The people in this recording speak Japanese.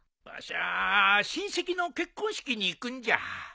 わしゃ親戚の結婚式に行くんじゃ。